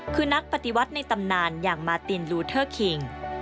คือนักปฏิวัติในตำนานอย่างมาตินลูเทอร์คิง